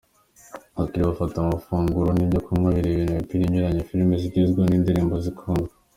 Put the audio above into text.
Abakiriya bafata amafunguro n'ibyo kunywa birebera imipira inyuranye, filime zigezweho n'indirimbo zikunzwe.